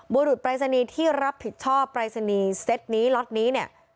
บุรุษปรายศนีย์ที่รับผิดชอบปรายศนีย์เซ็ตนี้ล็อตนี้เนี่ย